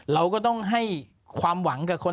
เราก็ต้องให้ความหวังกับคน